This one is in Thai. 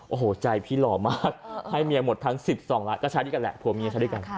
โอ้โหจ่ายพี่รอบมากเอ่อให้เมียหมดทั้งสิบสองล้านก็ใช้ด้วยกันแหละพัวเมียใช้ด้วยกันค่ะ